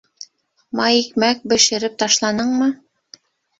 Майикмәк бешереп ташланыңмы?